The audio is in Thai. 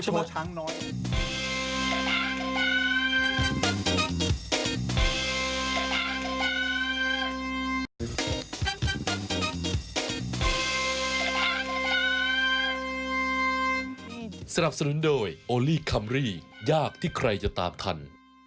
สนับสนุนโดยโอลี่คัมรี่ยากที่ใครจะตามทัน